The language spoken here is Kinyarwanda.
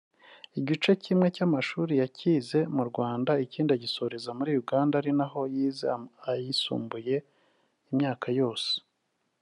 Igice kimwe cy’amashuri yacyize mu Rwanda ikindi agisoreza muri Uganda ari na ho yize ayisumbuye imyaka yose